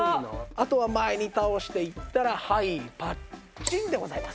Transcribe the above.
あとは前に倒していったらはいパッチンでございます。